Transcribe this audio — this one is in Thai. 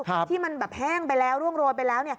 ที่มันแบบแห้งไปแล้วร่วงโรยไปแล้ว